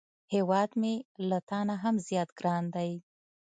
هیواد مې له تا نه هم زیات ګران دی